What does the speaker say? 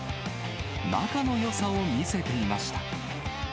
仲のよさを見せていました。